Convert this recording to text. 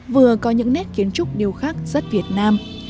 vừa có những nét kiến trúc điều khác rất việt nam